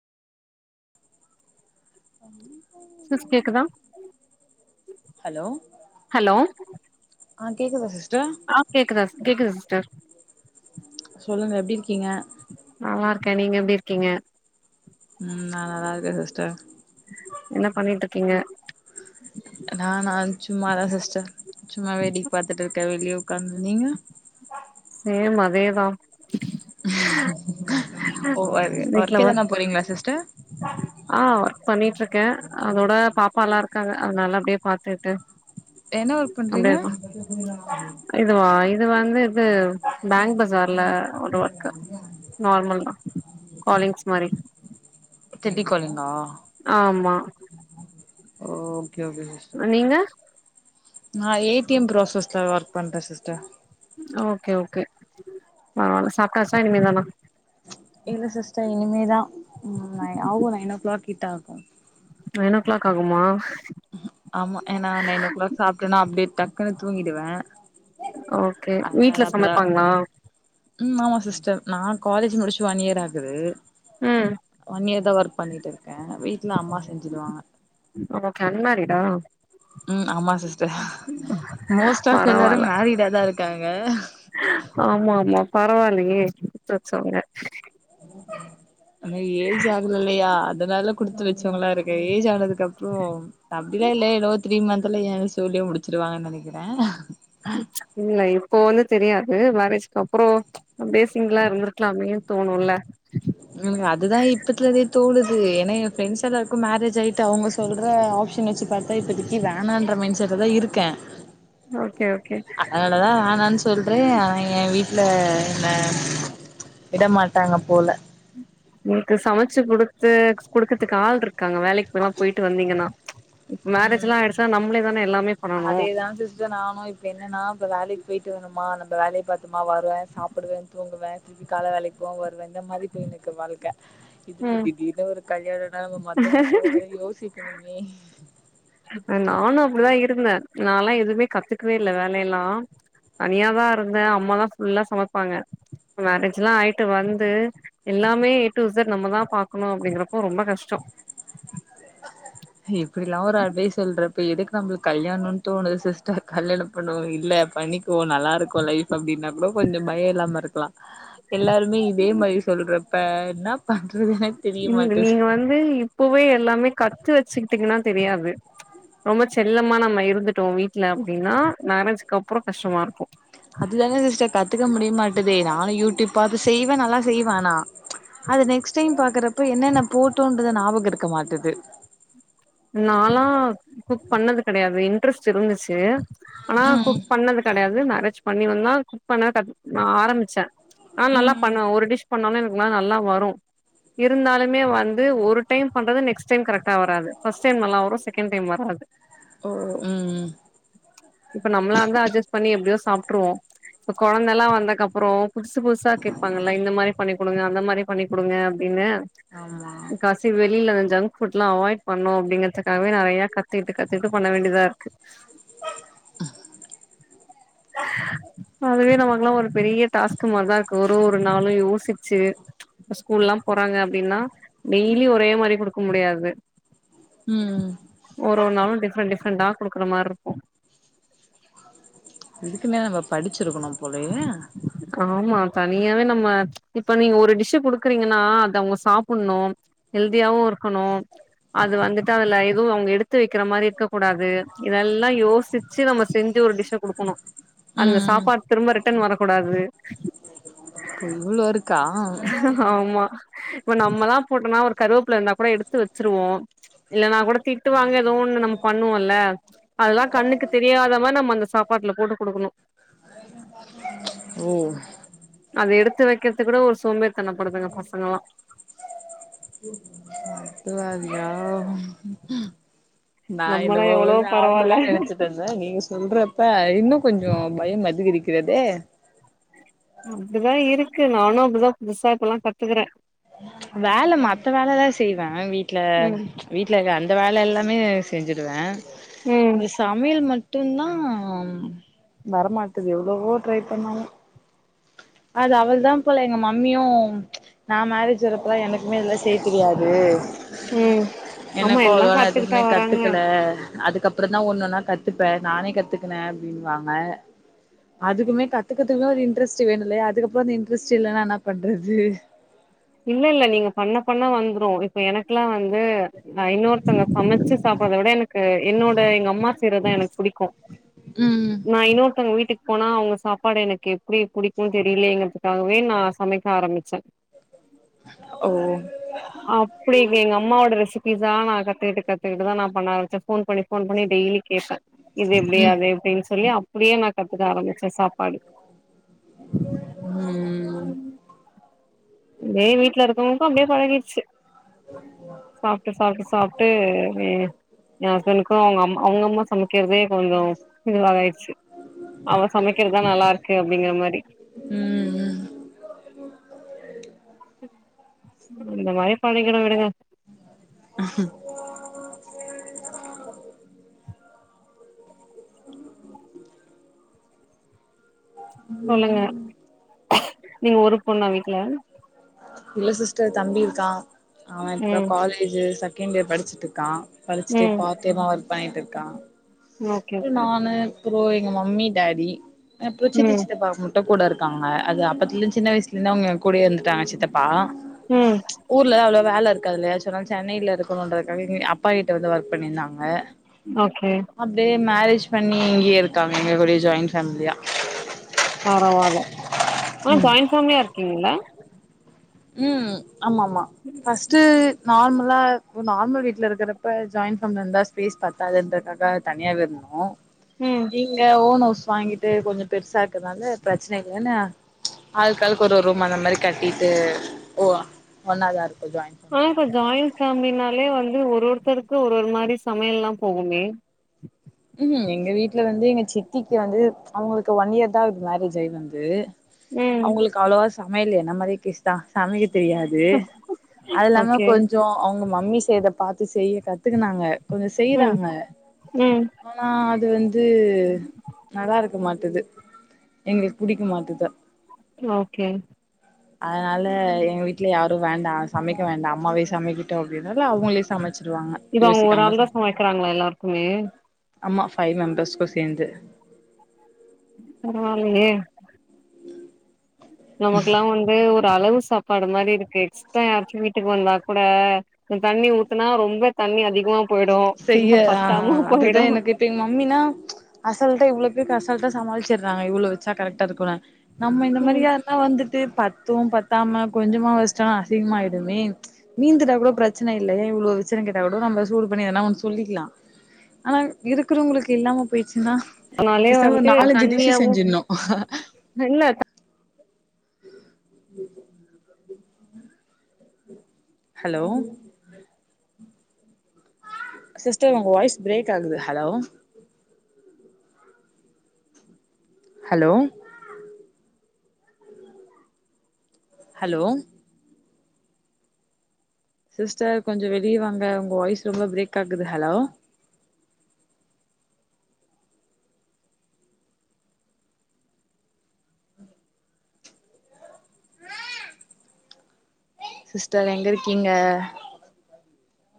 ?? Sis கேக்குதா hello hello ஆ கேக்குதா சிஸ்டர் ஆ கேக்குதா சிஸ் கேக்குது சிஸ்டர் சொல்லுங்க எப்டி இருக்கீங்க நல்லாருக்கே நீங்க எப்டி இருக்கீங்க ம் நா நல்லாருக்கே சிஸ்டர் என்ன பண்ணிட்டு இருக்கீங்க நானா சும்மாதா சிஸ்டர் சும்மா வேடிக் பாத்துட்ருக்கே வெளியே உக்காந்து நீங்க சேம் அதே தா ஓ ஒர் வீட்ல ஒர்க்கு எதுனா ஒர்க் போறீங்ளா சிஸ்டர் ஆ ஒர்க் பண்ணிட்ருக்கே அதோட பாப்பா எல்லா இருக்காங்க அதனால அப்டியே பாத்து என்ன ஒர்க் பண்றீங்க இதுவா இது வந்து இது பேங்க் பஜார்ல ஒரு ஒர்க்கு நார்மல் தா காலிங்ஸ் மாரி டெட்டிகாலிங்கா ஆமா ஓகே ஓகே சிஸ் நீங்க நா ஏ டி எம் க்ராசஸ்ல ஒர்க் பண்ற சிஸ்டர் ஓகே ஓகே அ சாப்ட்டாச்சா இனிமேல் தானா இல்ல சிஸ்டர் இனிமே தா ம் நை ஆகு நைன் ஓ க்ளாக் கிட்ட ஆகு நைன் ஓ க்ளாக் ஆகுமா ஆமா ஏனா நைன் ஓ க்ளாக் சாப்ட்னா அப்டியே டக்குனு தூங்கிடுவே ஓகே அதனால வீட்ல அப்பதா சமைப்பாங்ளா ம் ஆமா சிஸ்டர் நா காலேஜ் முடிச்சி ஒன் இயர் ஆகுது ம் ஒன்னியர் தா ஒர்க் பண்ணிட்ருக்கே வீட்ல அம்மா செஞ்சிடுவாங்க ஓகே அன்மேரிடா ம் ஆமா சிஸ்டர் மோஸ்ட் ஆப் எல்லாரு மேரிடா தா இருக்காங்க ஆமாமா பரவால்லயே குடுத்து வெச்சவுங்க ம் ஹீம் ஆனா ஏஜ் ஆகல இல்லையா அதனால குடுத்து வெச்சவ்ங்ளா இருக்கே ஏஜ் ஆனதுக்கப்றோ அப்டிலா இல்ல இன்னு த்ரீ மந்த்துல ஏ சோலிய முடிச்சிருவாங்கன் நெனைக்கிறே இல்ல இப்போ ஒன்னு தெரியாது மேரேஜ்க்கப்றோ அப்டியே சிங்கிளா இருந்திருக்கலாமேன் தோணுல்ல ம் அதுதா இப்பத்துலவே தோணுது ஏனா எ ஃப்ரெண்ட்ஸ் எல்லாருக்கு மேரேஜ் ஆயிட்டு அவுங்க சொல்ற ஆப்ஷன் வெச்சி பாத்தா இப்பத்திக்கி வேணான்ற மைண்ட் செட்ல தா இருக்கே ஓகே ஓகே அ அதனாலதா வேணான்னு சொல்றே ஆனா என் வீட்டு்ல என்ன விடமாட்டாங்க போல உங்களுக்கு சமைச்சு குடுத்து குடுக்கறதுக்கு ஆள் இருக்காங்க வேலைக்குல்லா போய்ட்டு வந்தீங்கன்னா இப்ப மேரேஜ் எல்லா ஆயிடுச்சுனா நம்பளே தானே எல்லாமே பண்ணணு இததா சிஸ்டர் நானு இப்ப என்னன்னா இப்ப வேலைக்கு போய்ட்டு வரமா நம்ம வேலைய பாத்தமா வருவே சாப்டுவே தூங்குவே திருப்பி கால வேலைக் போவ வருவே இந்த மாரி போய்ன்டு இருக்கு வாழ்க்க இதுல ம் திடிர்னு ஒரு கல்யாணம்னா நம்ம மத்தவங்களுக்காக வேற யோசிக்கணுமே நானு அப்டிதா இருந்தே நாலா எதுவுமே கத்துக்கவே இல்ல வேலையெல்லா தனியாதா இருந்தே அம்மாதா ஃபுல்லா சமப்பாங்க மேரேஜ் எல்லா ஆய்ட்டு வந்து எல்லாமே ஏ டு இசட் நம்ம தா பாக்கணு அப்டிங்கிறப்போ ரொம்ப கஷ்டோ இப்டிலா ஒரு அட்வைஸ் சொல்ற இப்ப எதுக்கு நம்பளுக்கு கல்யாணோன் தோணுது சிஸ்டர் கல்யாண பண்ணுவோ இல்ல பண்ணி போ நல்லா இருக்கு லைஃப் அப்டின்னா கூட கொஞ்சோ பய இல்லாம இருக்கலா எல்லாருமே இதே மாரி சொல்றப்ப என்ன பண்றது எனக் [inaudible] நீங்க வந்து இப்பவே எல்லாமே கத்து வச்சுக்கிட்டீங்கன்னா தெரியாது ரொம்ப செல்லமா நம்ம இருந்துட்டோ வீட்டுல அப்டின்னா மெரேஜ்க்கு அப்றோ கஷ்டமா இருக்கு அதுதானே சிஸ்டர் கத்துக்க முடிய மாட்டேதே நானு யூடியூப் அது செய்வே நல்லா செய்வே ஆனா அது நெக்ஸ்ட் டைம் பாக்குறப்ப என்னென்ன போட்டோன்ற ஞாபக இருக்க மாட்டுது நாலா குக் பண்ணது கெடையாது இன்ட்ரெஸ்ட் இருந்துச்சு ஆனா ம் குக் பண்ணது கெடையாது மேரேஜ் பண்ணி வந்தா குக் பண்ண ஆரம்பிச்சே ஆனா நல்லா ம் பண்ணுவே ஒரு டிஷ் பண்ணாலு எனக்குல நல்லா வரு இருந்தாலுமே வந்து ஒரு டைம் பண்றது நெக்ஸ் ஸ் டைம் கரெக்டா வராது ஃபர்ஸ்ட் டைம் நல்லா வரு செகண்ட் டைம் வராது ம் இப்ப நம்மளா இருந்தா அட்ஜஸ்ட் பண்ணி எப்டியோ சாப்ட்ருவோ இப்ப கொழந்தைல்லா வந்தக்க அப்றோ புதுசு புதுசா கேட்பாங்கல்ல இந்த மாரி பண்ணி குடுங்க அந்த மாரி பண்ணி குடுங்க அப்டின்னு ஆமா கஷ் செரி வெளில அந்த ஜங்க் ஃபுட்டலா அவாய்ட் பண்ணோ அப்டிங்கறதுக்காகவே நெறைய கத்திட்டு கத்திட்டு பண்ண வேண்டியதா இருக்கு அதுவே நமக்குகெல்லா ஒரு பெரிய டாஸ்கு மாரிதா இருக்கு ஒரு ஒரு நாளு யோசிச்சு ஸ்கூல்லா போறாங்க அப்டின்னா டெய்லி ஒரே மாரி குடுக்க முடியாது ம் ம் ஒரு ஒரு நாளு டிஃப்ரண்ட் டிஃரெண்ட்டா குடுக்கற மார் இருக்கோ இதுக்குன்னே நம்ப படிச்சிருக்கணு போலயே ஆமா தனியாவே நம்ம இப்ப நீங்க ஒரு டிஷ் குடுக்குறீங்கன்னா அத அவுங்க சாப்ட்ணு ஹெல்தியாவு இருக்கணு அது வந்துட்டு அதுல எதுவு அவுங்க எடுத்து வக்கிற மாரி இருக்க கூடாது இதெல்லா யோசிச் சி நம்ம செஞ்சு ஒரு டிஷ்ஷ குடுக்கணோ அந்த ம் சாப்பாடு திரும்ப ரிட்டர்ன் வரக்கூடாது இப்போ இவ்வளோ இருக்கா ஆமா இப்ப நம்மள போட்டோம்னா ஒரு கருவேப்புல இருந்தா கூட எடுத்து வச்சிருவோ இல்ல நா கூட திட்டு வாங்க ஏதோ ஒன்னு நம்ம பண்ணுவோம்ல அதெல்லா கண்ணுக்கு தெரியாத மாரி நம்ம அங்க சாப் பாட்ல போட்டு குடுக்கணு ம் அது எடுத்து வக்கிறது கூட ஒரு சோம்பேறி தனப்படுதுங்க பசங்களல்லா இது வேறயா நா நம்மல்லா என்னமோ எவ்ளோ பரவால்ல நார்மலா நெனச்சிட் ருந்த நீங்க சொல்றப்ப இன்னு கொஞ்சோ பய அதிகரிக்கதே அப்டிதா இருக்கு நானு அப்டிதா புதுசா இப்பதா கத்துக்குற வேல மத்த வேலலா செய்வ வீட்ல ம் வீட்ல இருக்க அந்த வேல எல்லாமே செஞ்சுடுவ ம் இந்த சாப் மில் மட்டுதா வரமாட்டது எவ்ளவோ ட்ரை பண்ணாலு அது அவ்ளதா போல எங்க மம்மியு நா மேரேஜ் வரப்பதா எனக்குமே இதெல்லா செய்ய தெரியாது ம் ஆமா எனக்கு எல்லா அவ்ளவா நா கத்துக்கிட்டா எதுமே வராங்க கத்துக்கல அதுக்கப் பறந்தா ஒன் ஒன்னா கத்துப்ப நானே கத்துக்கின ம்பாங்க அதுக்குமே கத்துக்கறதுக்குலா ஒரு இன்ட்ரெஸ்ட் வேணுல்லயா அதுக்கப்பற அந்த இன்ட்ரெஸ்ட் இலலனா என்ன பண்றது இல்லல்ல நீங்க பண்ண பண்ண வந்ரு இப்ப எனக்குலா வந்து நா இன்னொருத்தவங்க சமைச்சு சாப்றத விட எனக்கு என்னோட எங்க அம்மா செய்றதா எனக்கு புடிக்கு ம் நா இன்னொருத்தங்க வீட்டுக் போனா அவங்க சாப்பாடு எனக்கு எப்டி புடிக்குன் தெரிலயேங்கிறதுக்காகவே நா சமைக்க ஆரம்பிச்ச உம் [inaudible] ஓ அப்டி வி எங்க அம்மாவோட ரெசிபீஸ்ஸா நா கத்துக்குட்டு கத்துக்குட்டுதா நா பண்ண ஆரம்பிச்ச ஃபோன் பண்ணி ஃபோன் பண்ணி டெய்லி கேப்ப இது எப்டி ம் அது எப்டின் சொல்லி அப்டியே நா கத்துக்க ஆரம்பிச்ச சாப்பாடு ம் அம் மே வீட்ல இருக்கவங்களுக்கு அப்டியே பழகிடுச்சு சாப்ட்டு சாப்ட்டு சாப்ட்டு மே ஏ ஹஸ்பண்டுக்கு அவங்க அம் அவங்க அம்மா சமைக்றதே கொஞ்சோ இதுவாக ஆய்டுச்சு அவ சமைக்கிறதுதா நல்லாருக்கு அப்டிங்கிற மாரி ம் ம் இந்த மாரி பண்ணிக்கிட்டு விடுங்க [inaudible] உஹ [inaudible] சொல்லுங்க நீங்க ஒரு பொண்ணா வீட்ல இல்ல சிஸ்டர் தம்பி இருக்கா அவ இப்பதா ம் காலேஜ் ஜு செகண்ட் இயர் படிச்சுட்டு இருக்கா படிச்சுட்டு ம் பார்ட் டைமா ஒர்க் பண்ணிட்டு இருக்கா.. ஓகே ஓகே நானு ப்ரோ எங்க மம்மி டாடி அப்றோ சித்தி ம் சித்தப்பா அத்த கூட இருக்காங்க அது அப்பத்துல சின்ன வயசுல இருந்து அவங்க ஏ கூடயே இருந்துட்டாங்க சித்தப்பா ம் ஊர்லதா அவ்ளோ வேல இருக்காதுல்லயா சொன்னாங்க சென்னையில இருக்கணுன்றதுக்காக அப்பா கிட்ட வந்து ஒர்க் பண்ணியிருந்தாங்க ஓகே அப்டியே மேரேஜ் பண்ணி இங்கயே இருக்காங்க எங்க கூட ஜாயிண்ட் ஃபேமிலியா பரவால்ல ஆனா ம் ஜாயிண்ட் ஃபேமிலியா இருக்கீங்கள ம் ஆமா ஆமா ஃபர்ஸ்ட்டு நார்மலா நார்மல் வீ்ட்ல இருக்கிறப்ப ஜாயின் ஃபேமிலி இருந்தா ஸ்பேஸ் பத்தாதுன்றதால இப்பதா தனியாவே இருந்தோ ம் இங்க ஓன் ஹவுஸ் வாங்கிட்டு கொஞ்சோ பெருசா இருக்கனால பிரச்சன இல்லனா ஆளுக்க்காள் ஒரு ஒரு ரூமா அந்த மாரி கட்டிட்டு ஓ ஒன்னாதா இருக்கோ ஜாய்ண்ட் பே ஆனா இப்ப ஜாய்ண் ஃபேமிலினாலே வந்து ஒரு ஒருத்தருக்கு ஒரு ஒரு மாரி சமையல்லா போகுமே ம்ஹ்ம் எங்க வீட்ல வந்து எங்க சித்திக்கு வந்து அவங்களுக்கு ஒன் இயர்தா ஆகுது மேரேஜ் ஆயி வந்து ம் அவங்களுக்கு அவ்ளவா சமையல என்ன மாரி கேஷ்தா சமைக்க தெரியாது அது இல்லாம ஓகே கொஞ்சோ அவங்க மம்மி செய்த பாத்து செய்ய கத்துக்குனாங்க கொஞ்சோ செய்றாங்க உம் ஆனா அது வந்து நல்லா இருக் க்க மாட்டுது எங்களுக்கு பிடிக்க மாட்டுது ஓகே அதனால எங்க வீட்டல யாரு வேண்டாம் சமைக்க வேண்டா அம்மாவே சமைக்கிட்டு அப்டின்னால அவங்களே சமைச்சிருவாங்க இப்ப அவங்க ஒரு யோசிக்காம ஆள்தா சமைக்கிறாங்களா எல்லாருக்குமே ஆம்மா ஃபைவ் மெம்பர்ஸ்க்கு சேர்ந்து பரவால்லயே நமக்குல்லா வந்து ஒரு அளவு சாப்பாடு மாரி இருக்கு எக்ஸ்டரா யாராச்சு வீட்டுக்கு வந்தா கூட தண்ணி ஊத்னா ரொம்ப தண்ணி அதிகமா போயிடும் செய்ய இல்ல ஆ பத்தாம அதுதா போயிடும் எனக்கு இப்ப எங்க மம்மினா அசால்ட்டா இவ்வுளத்தயும் அசால்ட்டா சமாளிச்சுடுறாங்க இவ்வளவ் வச்சா கரெக்டா இருக்குனு நம்ம இந்த மாதிரி ம் யாருல்லா வந்துட்டு பத்து பத்தாம கொஞ்சமா வச்சா அசிங்கமாயிடுமே மீந்துட்டா கூட பிரச்சன இல்லை இவ்ளோ வெச்சனு கேட்டா கூட நம்ம சூடு பண்ணி எதன்னா ஒன்னு சொல்லிக்கலா ஆனா இருக்கிறவங்களுக்கு இல்லாம போயிடுச்சுன்னா அதனாலயே பேசாம ஒரு வந்து நாலு அஞ்சு டிஷ் செஞ்சிருனு என்ன தா [inaudible] ஹலோ சிஸ்டர் உங்க வாய்ஸ் பிரேக் ஆகுது ஹலோ ஹலோ ஹலோ சிஸ்டர் கொஞ்சோ வெளியவாங்க உங்க வாய்ஸ் ரொம்ப பிரேக் ஆகுது ஹலோ சிஸ்டர் எங்க இருக்கீங்க